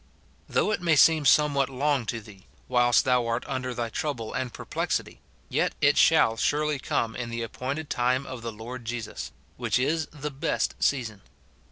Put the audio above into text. Though it may seem somewhat long to thee, whilst thou art under thy trouble and per plexity, yet it shall surely come in the appointed time of the Lord Jesus ; which is the best season.